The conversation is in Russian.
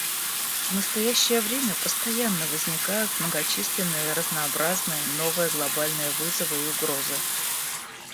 В настоящее время постоянно возникают многочисленные и разнообразные новые глобальные вызовы и угрозы.